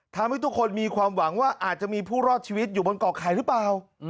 ทำให้ทุกคนมีความหวังว่าอาจจะมีผู้รอดชีวิตอยู่บนเกาะไข่หรือเปล่า